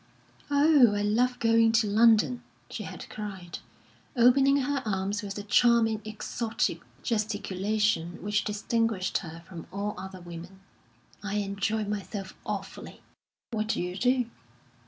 "Oh, I love going to London!" she had cried, opening her arms with the charming, exotic gesticulation which distinguished her from all other women. "I enjoy myself awfully." "What do you do?"